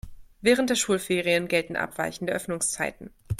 Während der Schulferien gelten abweichende Öffnungszeiten.